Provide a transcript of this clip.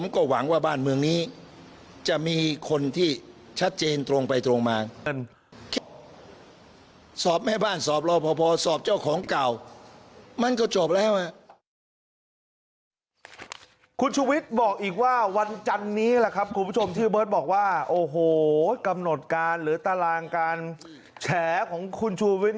คุณผู้ชมที่เบิ้ลบอกว่าโอ้โหกำหนดการหรือตารางการแฉของคุณชูวิทย์